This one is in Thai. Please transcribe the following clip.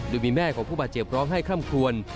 โดยมีแม่ของผู้บาดเจ็บร้องไห้คล่ำคลวน